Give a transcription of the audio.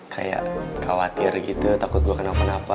kayak khawatir gitu takut gue kenapa napa